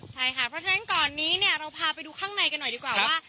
ใช่ค่ะเพราะฉะนั้นก่อนนี้เนี่ยเราพาไปดูข้างในกันหน่อยดีกว่าว่า